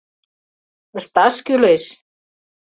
Ышташ кӱлеш!